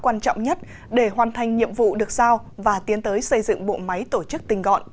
quan trọng nhất để hoàn thành nhiệm vụ được giao và tiến tới xây dựng bộ máy tổ chức tình gọn